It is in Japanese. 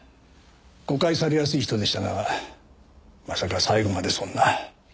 誤解されやすい人でしたがまさか最後までそんな。